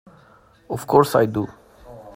Of course I do!